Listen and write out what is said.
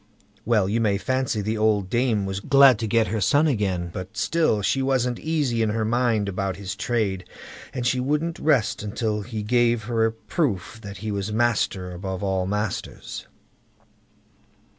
Well, you may fancy the old dame was glad to get her son again, but still she wasn't easy in her mind about his trade, and she wouldn't rest till he gave her a proof that he was "master above all masters".